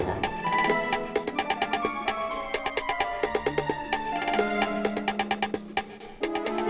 kesel banget aku nih